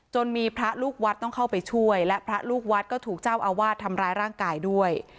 มีพระลูกวัดต้องเข้าไปช่วยและพระลูกวัดก็ถูกเจ้าอาวาสทำร้ายร่างกายด้วย